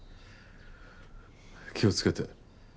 気をつけて。